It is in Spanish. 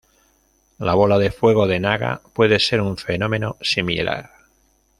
La bola de fuego de Naga puede ser un fenómeno similar.